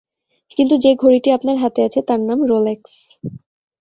কিন্তু যে-ঘড়িটি আপনার হাতে আছে তার নাম রোলেক্স।